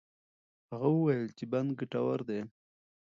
هغه وویل چې بند ګټور دی.